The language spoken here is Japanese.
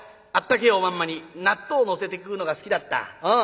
あったけえおまんまに納豆のせて食うのが好きだった。